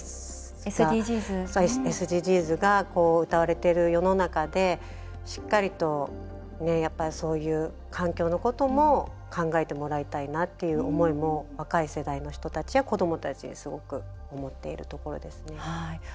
あと、このＳＤＧｓがうたわれてる世の中で、しっかりとそういう環境のことも考えてもらいたいなという思いも若い世代の人たちや子どもたちに思っています。